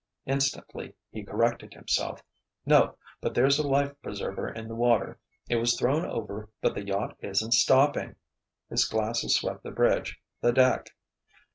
Instantly he corrected himself. "No—but there's a life preserver in the water—it was thrown over but the yacht isn't stopping." His glasses swept the bridge, the deck.